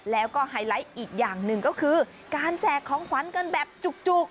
แล้วก็ไฮไลท์อีกอย่างหนึ่งก็คือการแจกของขวัญกันแบบจุก